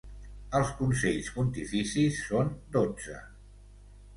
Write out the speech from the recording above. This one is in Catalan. Els consells pontificis són dotze.